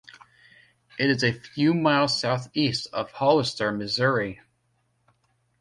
It is a few miles southeast of Hollister, Missouri.